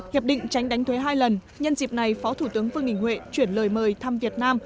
hiệp định tránh đánh thuế hai lần nhân dịp này phó thủ tướng vương đình huệ chuyển lời mời thăm việt nam